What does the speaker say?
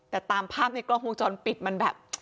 แต่ตามภาพในกล้องวงจรปิดมันแบบ